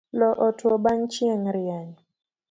Loo otuo bang' chieng' rieny